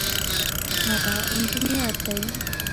هغه انجینر دی